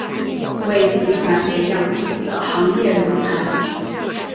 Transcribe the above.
为集团培养自己的行业人才。